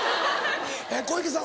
小池さん